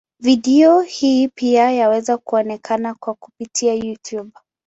Video hii pia yaweza kuonekana kwa kupitia Youtube.